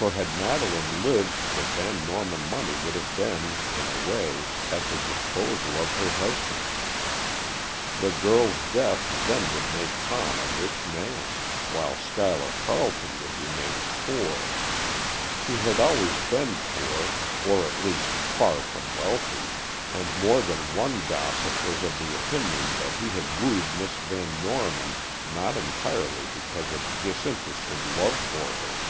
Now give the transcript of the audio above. For had Madeleine lived the Van Norman money would have been, in a way, at the disposal of her husband. The girl's death then would make Tom a rich man, while Schuyler Carleton would remain poor. He had always been poor, or at least far from wealthy, and more than one gossip was of the opinion that he had wooed Miss Van Norman not entirely because of disinterested love for her.